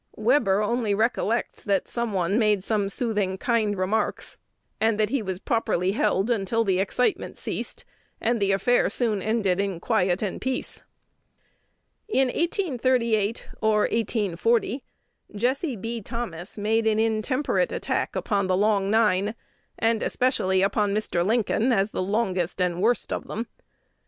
Webber only recollects that "some one made some soothing, kind remarks," and that he was properly "held until the excitement ceased," and the affair "soon ended in quiet and peace." In 1838, or 1840, Jesse B. Thomas made an intemperate attack upon the "Long Nine," and especially upon Mr. Lincoln, as the longest and worst of them.